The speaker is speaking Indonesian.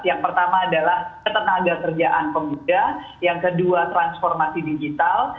yang pertama adalah ketenaga kerjaan pemuda yang kedua transformasi digital